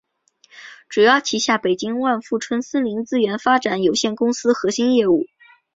主要旗下北京万富春森林资源发展有限公司核心业务。